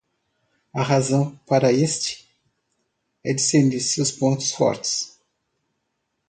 A razão para este? é discernir seus pontos fortes.